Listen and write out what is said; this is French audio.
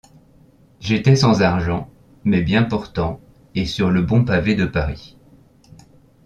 J’étais sans argent, mais bien portant et sur le bon pavé de Paris.